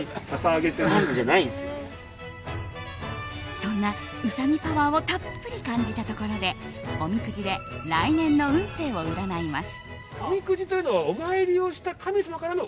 そんな、うさぎパワーをたっぷり感じたところでおみくじで来年の運勢を占います。